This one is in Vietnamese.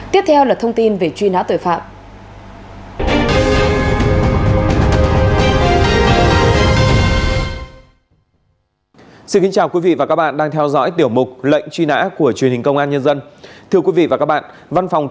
tiếp theo là thông tin về truy nã tội phạm